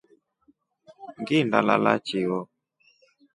Nginda lala chio.